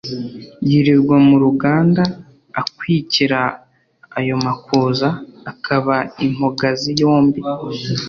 Yirirwa mu ruganda Akwikira ayo makuza, Akaba impogazi yombi.